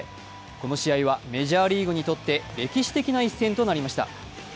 この試合はメジャーリーグにとって歴史的な一戦となりました。